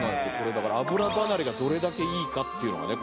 だから油ばなれがどれだけいいかっていうのがね